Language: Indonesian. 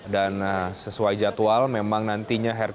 dan sesuai jadwalnya ini adalah perjalanan yang sangat menarik